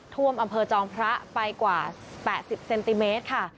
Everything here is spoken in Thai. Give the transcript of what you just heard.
ท่วมอำเภอจอมพระไปกว่า๘๐เซนติเมตรค่ะ